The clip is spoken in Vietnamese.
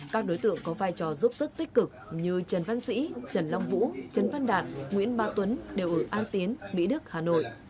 các đối tượng có vai trò giúp sức tích cực như trần văn sĩ trần long vũ trần văn đạt nguyễn ba tuấn đều ở an tiến mỹ đức hà nội